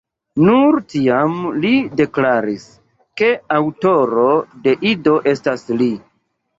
Nur tiam li deklaris, ke aŭtoro de Ido estas li.